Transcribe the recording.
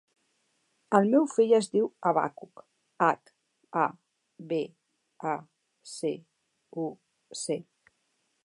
El meu fill es diu Habacuc: hac, a, be, a, ce, u, ce.